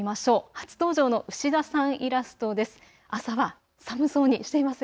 初登場の牛田さんイラストです。